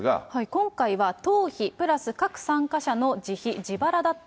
今回は党費＋各参加者の自費、自腹だった。